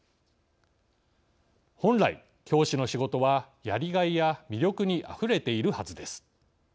本来教師の仕事はやりがいや魅力にあふれているはずです。